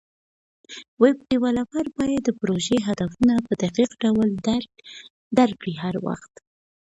ویب ډیولپر باید د پروژې هدفونه په دقیق ډول درک کړي هر وخت.